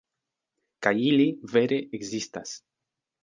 Kaj ili, vere, ekzistas.